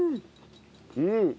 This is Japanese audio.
うん。